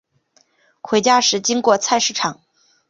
回家时经过菜市场